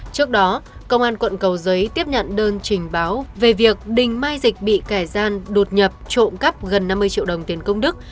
trước đó công an quận cầu giấy tiếp nhận đơn trình báo về việc đình mai dịch bị kẻ gian đột nhập trộm cắp gần năm mươi triệu đồng tiền công đức